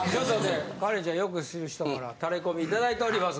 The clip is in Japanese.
カレンちゃんよく知る人からタレコミいただいております。